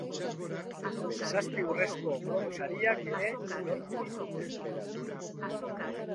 Zazpi Urrezko Globo Sariak ere lortu ditu.